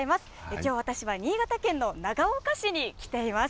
きょう私は新潟県の長岡市に来ています。